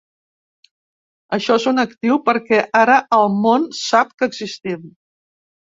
Això és un actiu perquè ara el món sap que existim.